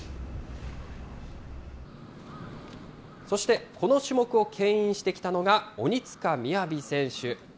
そしてこの種目をけん引してきたのが、鬼塚雅選手。